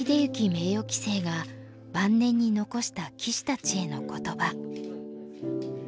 名誉棋聖が晩年に残した棋士たちへの言葉。